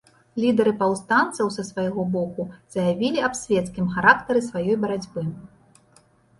Лідары паўстанцаў, са свайго боку, заявілі аб свецкім характары сваёй барацьбы.